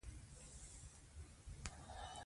دا یوازې واټن زیاتوي.